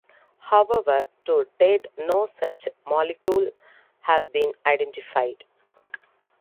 However, to date no such molecule has been identified.